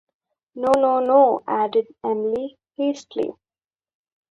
‘No, no, no,’ added Emily hastily.